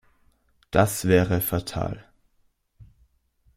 Das wäre fatal.